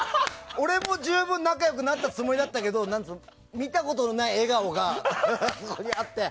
俺も十分仲良くなったつもりだったけど見たことのない笑顔がそこにあって。